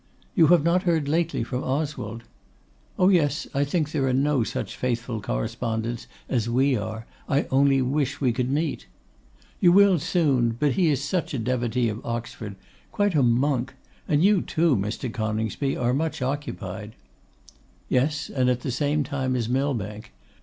'You have not heard lately from Oswald?' 'Oh, yes; I think there are no such faithful correspondents as we are; I only wish we could meet.' 'You will soon; but he is such a devotee of Oxford; quite a monk; and you, too, Mr. Coningsby, are much occupied.' 'Yes, and at the same time as Millbank.